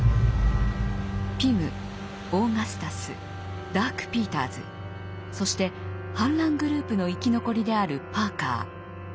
ピムオーガスタスダーク・ピーターズそして反乱グループの生き残りであるパーカー。